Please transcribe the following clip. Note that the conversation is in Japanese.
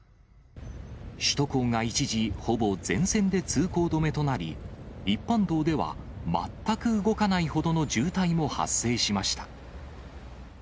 首都高が一時、ほぼ全線で通行止めとなり、一般道では全く動かないほどの渋滞も発生しました。